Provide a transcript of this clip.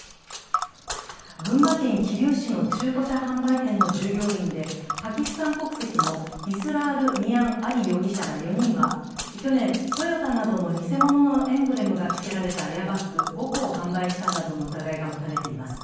群馬県桐生市の中古車販売店の従業員でパキスタン国籍のイスラール・ミアン・アリ容疑者ら４人は去年、トヨタなどの偽物のエンブレムがつけられたエアバッグ５個を販売したなどの疑いが持たれています。